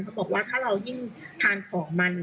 เขาบอกว่าถ้าเรายิ่งทานของมัน